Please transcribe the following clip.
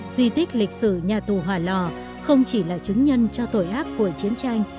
di tích lịch sử nhà tù hòa lò không chỉ là chứng nhân cho tội ác của chiến tranh